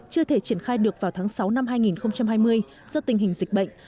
chưa thể triển khai được vào tháng sáu năm hai nghìn hai mươi do tình hình dịch bệnh